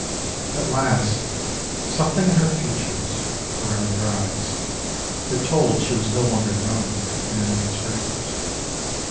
At last, something in her features, around her eyes, that told she was no longer young and inexperienced.